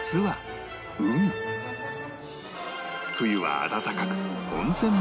冬は暖かく温泉も充実